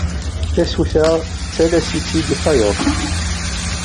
Tasuta tettales-itt-id i tayeḍ.